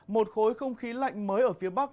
một khối không khí lạnh mới ở phía bắc